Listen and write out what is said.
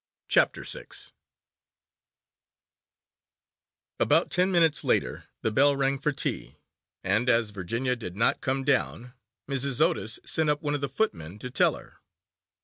CHAPTER VI ABOUT ten minutes later, the bell rang for tea, and, as Virginia did not come down, Mrs. Otis sent up one of the footmen to tell her.